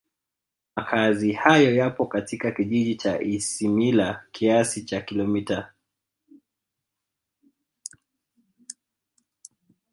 Makazi hayo yapo katika Kijiji cha Isimila kiasi cha Kilomita